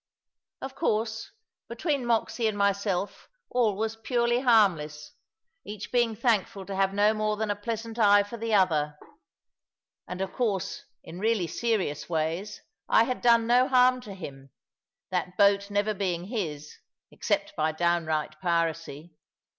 Of course, between Moxy and myself all was purely harmless, each being thankful to have no more than a pleasant eye for the other; and of course, in really serious ways, I had done no harm to him; that boat never being his, except by downright piracy.